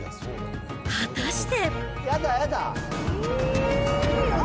果たして。